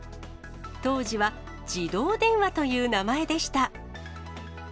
当時は自働電話という名前でした。